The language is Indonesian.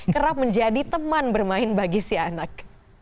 kerap menjadi teman bermain bagi si anak